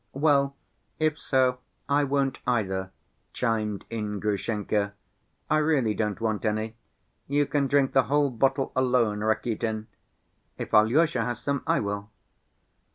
"Well, if so, I won't either," chimed in Grushenka, "I really don't want any. You can drink the whole bottle alone, Rakitin. If Alyosha has some, I will."